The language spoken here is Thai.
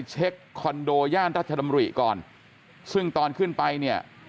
คอนโดย่านรัชดำริก่อนซึ่งตอนขึ้นไปเนี่ย